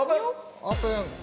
オープン！